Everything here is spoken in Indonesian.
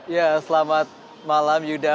ya selamat malam yuda